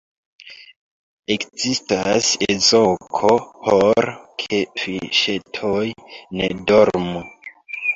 Ekzistas ezoko, por ke fiŝetoj ne dormu.